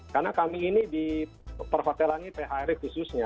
karena kami ini di perhotelan ini phri khususnya